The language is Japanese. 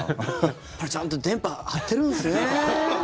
やっぱり、ちゃんと電波張ってるんですね。